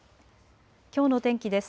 きょうの天気です。